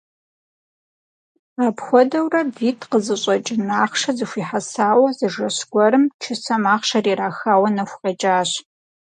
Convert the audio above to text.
Апхуэдэурэ витӀ къызыщӀэкӀын ахъшэ зэхуихьэсауэ, зы жэщ гуэрым чысэм ахъшэр ирахауэ нэху къекӀащ.